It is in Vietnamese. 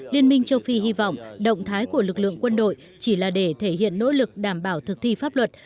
liên minh châu phi hy vọng động thái của lực lượng quân đội chỉ là để thể hiện nỗ lực đảm bảo thực thi pháp luật